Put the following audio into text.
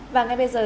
và ngay bây giờ